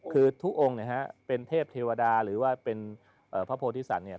คือทุกองค์เนี่ยฮะเป็นเทพเทวดาหรือว่าเป็นพระโพธิสัตว์เนี่ย